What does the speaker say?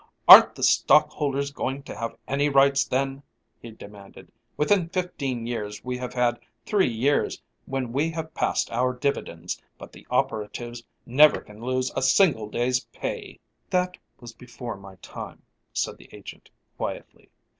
"Aren't the stockholders going to have any rights then?" he demanded. "Within fifteen years we have had three years when we have passed our dividends, but the operatives never can lose a single day's pay!" "That was before my time," said the agent, quietly.